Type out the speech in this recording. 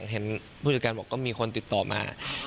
พูดจากกันบอกก็มีคนติดต่อมา